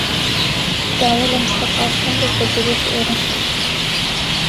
داوا لە مستەفا بکەن کە دەستبەجێ بێتە ئێرە.